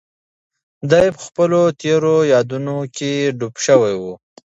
دی په خپلو تېرو یادونو کې ډوب شوی و.